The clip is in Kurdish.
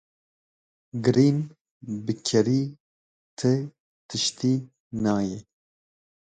Girîn bi kêrî ti tiştî nayê.